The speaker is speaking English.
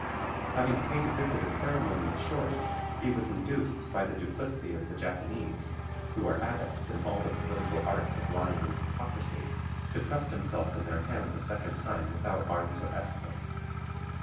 Having paid a visit of ceremony ashore, he was induced, by the duplicity of the Japanese, who are adepts in all the political arts of lying and hypocrisy, to trust himself in their hands a second time without arms or escort.